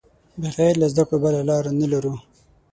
بغیر له زده کړو بله لار نه لرو.